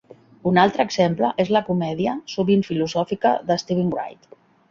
Un altre exemple és la comèdia sovint filosòfica de Steven Wright.